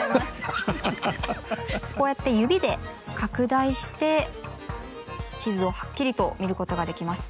こうやって指で拡大して地図をはっきりと見ることができます。